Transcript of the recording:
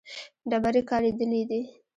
ډبرې کارېدلې دي.